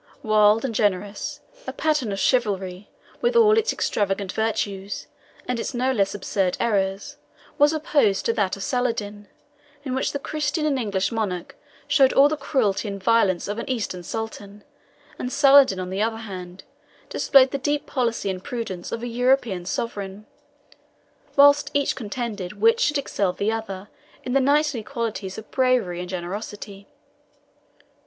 wild and generous, a pattern of chivalry, with all its extravagant virtues, and its no less absurd errors, was opposed to that of Saladin, in which the Christian and English monarch showed all the cruelty and violence of an Eastern sultan, and Saladin, on the other hand, displayed the deep policy and prudence of a European sovereign, whilst each contended which should excel the other in the knightly qualities of bravery and generosity.